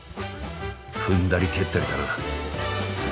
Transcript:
踏んだり蹴ったりだな。